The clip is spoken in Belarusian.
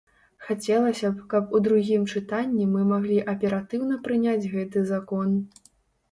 Хацелася б, каб у другім чытанні мы маглі аператыўна прыняць гэты закон.